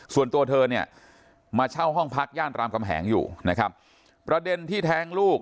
ส่วนตัวเธอเนี่ยมาเช่าห้องพักย่านรามกำแหงอยู่นะครับประเด็นที่แท้งลูก